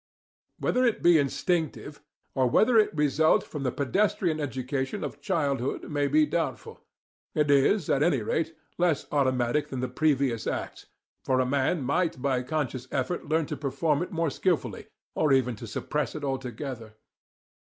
Whether it be instinctive or whether it result from the pedestrian education of childhood may be doubtful; it is, at any rate, less automatic than the previous acts, for a man might by conscious effort learn to perform it more skilfully, or even to suppress it altogether.